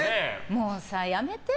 もうさ、やめて？